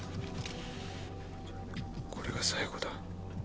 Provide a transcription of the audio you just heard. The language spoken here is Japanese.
これが最後だ。